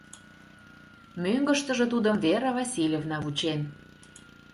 Мӧҥгыштыжӧ тудым Вера Васильевна вучен.